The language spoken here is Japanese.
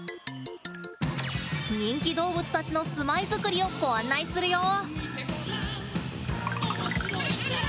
人気動物たちの住まいづくりをご案内するよ。